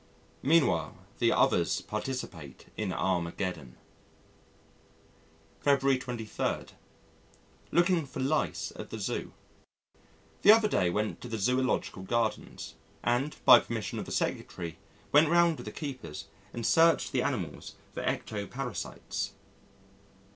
Meanwhile, the others participate in Armageddon. February 23. Looking for Lice at the Zoo The other day went to the Zoological Gardens, and, by permission of the Secretary, went round with the keepers and searched the animals for ectoparasites.